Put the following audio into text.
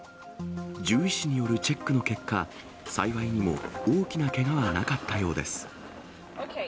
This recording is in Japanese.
獣医師によるチェックの結果、幸いにも大きなけがはなかったようです。